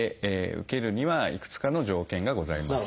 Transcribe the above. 受けるにはいくつかの条件がございます。